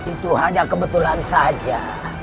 itu hanya kebetulan saja